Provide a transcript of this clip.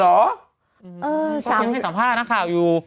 เออยังมีสัมภาษณ์นะข่าวอยู่